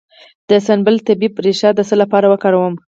د سنبل الطیب ریښه د څه لپاره وکاروم؟